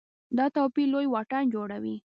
دا توپیر لوی واټن جوړوي.